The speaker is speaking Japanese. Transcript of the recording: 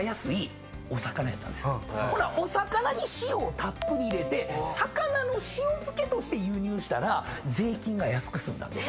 お魚に塩をたっぷり入れて魚の塩漬けとして輸入したら税金が安く済んだんです。